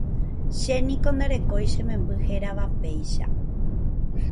che niko ndarekói chememby hérava péicha.